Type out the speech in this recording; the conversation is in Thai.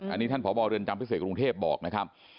อันนี้ท่านพบเรือนจำพิเศษกรุงเทพบอกนะครับ